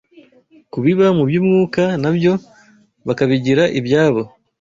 kubiba mu by’umwuka nabyo bakabigira ibyabo